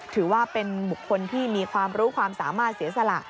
ถือว่าเป็นบุคคลที่มีความรู้ความสามารถเสียสละ